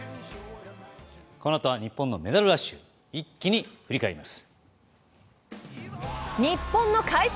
このあとは日本のメダルラッシュ一気に振り返ります。